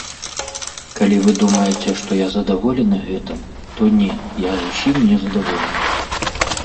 Калі вы думаеце, што я задаволены гэтым, то не, я зусім незадаволены.